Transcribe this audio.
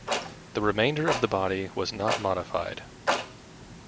The remainder of the body was not modified.